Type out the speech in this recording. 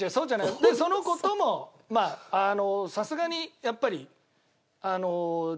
でその子ともまあさすがにやっぱり。